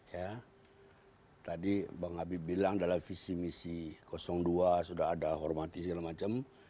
ya tadi bang habib bilang dalam visi misi dua sudah ada hormati segala macam